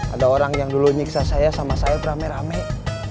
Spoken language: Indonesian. ada orang yang dulu nyiksa saya sama saya rame rame